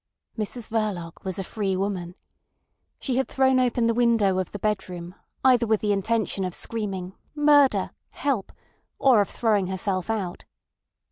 Mrs Verloc was a free woman. She had thrown open the window of the bedroom either with the intention of screaming Murder! Help! or of throwing herself out.